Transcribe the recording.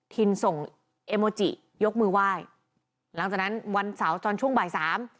ทินส่งเอโมจิยกมือไหว้หลังจากนั้นวันเสาร์ตอนช่วงบ่ายสาม